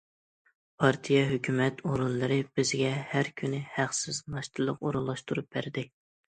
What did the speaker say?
پارتىيە، ھۆكۈمەت ئورۇنلىرى بىزگە ھەر كۈنى ھەقسىز ناشتىلىق ئورۇنلاشتۇرۇپ بەردى.